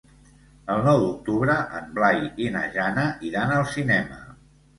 El nou d'octubre en Blai i na Jana iran al cinema.